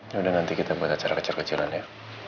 ya udah nanti kita buat acara kecil kecilan ya